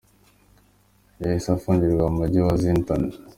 Yahise afungirwa mu Mujyi wa Zintan.